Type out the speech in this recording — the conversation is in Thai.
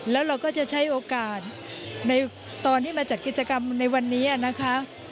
แล้วเราก็จะใช้โอกาสในตอนที่มาจัดกิจกรรมในวันนี้นะคะ